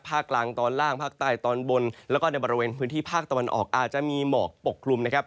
กลางตอนล่างภาคใต้ตอนบนแล้วก็ในบริเวณพื้นที่ภาคตะวันออกอาจจะมีหมอกปกคลุมนะครับ